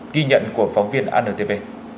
ghi nhận của phóng viên anntv